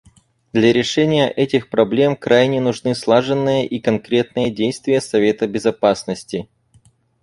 Для решения этих проблем крайне нужны слаженные и конкретные действия Совета Безопасности.